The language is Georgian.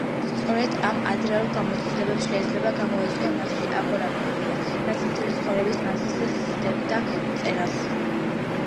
სწორედ ამ ადრეულ გამოცდილებებს შეიძლება გამოეწვია მასში აგორაფობია, რაც მთელი ცხოვრების მანძილზე სდევდა მწერალს.